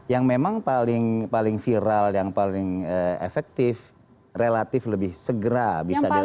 yang memang paling viral yang paling efektif relatif lebih segera bisa dilakukan